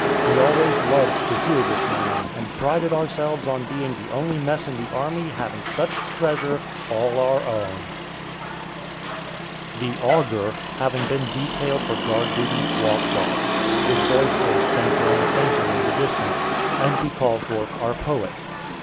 We always loved to hear this man, and prided ourselves on being the only mess in the army having such treasure all our own. The "Auger," having been detailed for guard duty, walks off; his voice grows fainter and fainter in the distance, and we call forth our poet.